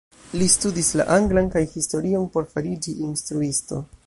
Li studis la anglan kaj historion por fariĝi instruisto.